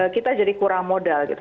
kita jadi kurang modal gitu